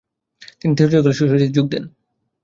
তিনি থিওলজিকাল সোসাইটিতে যোগ দেন।